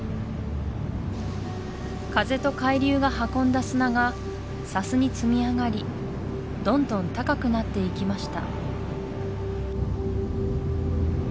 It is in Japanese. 風と海流が運んだ砂が砂州に積み上がりどんどん高くなっていきました